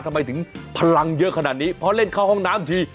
ทำไมถึงพลังเยอะขนาดนี้เพราะเล่นเข้าห้องน้ำที